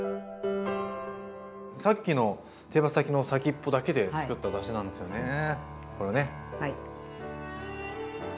さっきの手羽先の先っぽだけで作っただしなんですよねこれね。